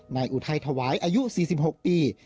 อุทัยถวายอายุ๔๖ปี